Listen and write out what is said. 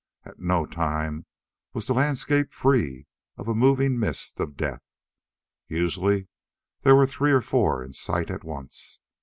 At no time was the landscape free of a moving mist of death. Usually there were three or four in sight at once.